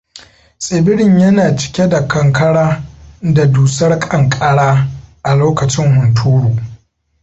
Tsibirin yana cike da kankara da dusar ƙanƙara a lokacin hunturu.